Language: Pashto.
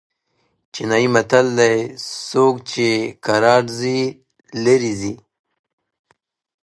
چینايي متل دئ: څوک چي کرار ځي؛ ليري ځي.